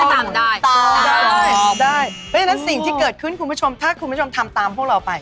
๊วยวันนั้นสิ่งที่เกิดขึ้นคุณผู้ชมถ้าคุณผู้ชมทำตามพวกเราไป